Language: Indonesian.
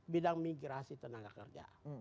bidang migrasi tenaga kerja